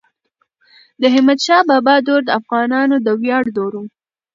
د احمد شاه بابا دور د افغانانو د ویاړ دور و.